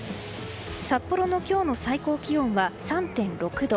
札幌の今日の最高気温は３．６度。